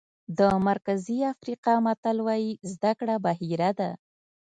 د مرکزي افریقا متل وایي زده کړه بحیره ده.